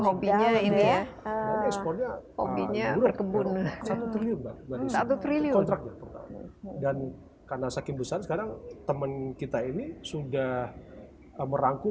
hobinya ini ya hobinya berkebun dan karena sakit busan sekarang temen kita ini sudah merangkul